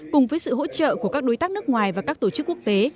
cùng với sự hỗ trợ của các đối tác nước ngoài và các tổ chức quốc tế